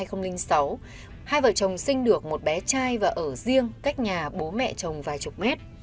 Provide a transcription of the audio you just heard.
hai vợ chồng sinh được một bé trai và ở riêng cách nhà bố mẹ chồng vài chục mét